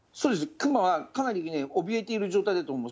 熊はかなりおびえている状態だと思います。